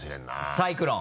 サイクロン！